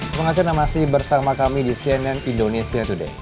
terima kasih anda masih bersama kami di cnn indonesia today